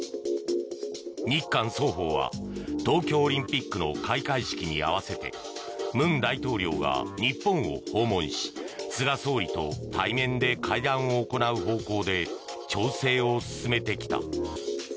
日韓双方は東京オリンピックの開会式に合わせて文大統領が日本を訪問し菅総理と対面で会談を行う方向で調整を進めてきた。